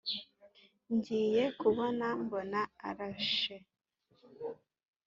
ngiye kubona mbona arashe.